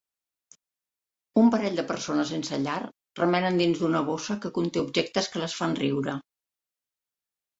Un parell de persones sense llar remenen dins d'una bossa que conté objectes que les fan riure.